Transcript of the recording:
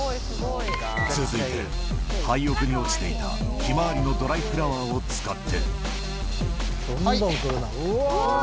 続いて、廃屋に落ちていたひまわりのドライフラワーを使って。